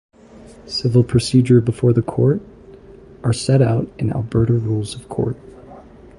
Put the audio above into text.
Civil procedure before the Court are set out in the Alberta Rules of Court.